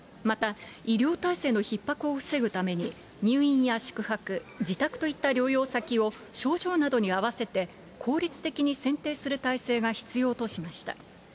また、医療体制のひっ迫を防ぐために、入院や宿泊、自宅といった療養先を、症状などに合わせて効率的に選定する体制が必要としました。